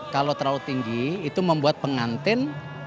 kalau terlalu tinggi itu membuat pengantin